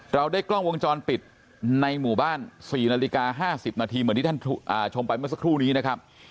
เราได้กล้องวงจรปิดในหมู่บ้าน๔นาฬิกา๕๐นาทีเหมือนที่ท่านชมไปเมื่อสักครู่นี้นะครับ